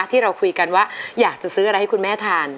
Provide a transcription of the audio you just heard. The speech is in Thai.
ที่เราคุยกันว่าอยากจะซื้ออะไรให้คุณแม่ทาน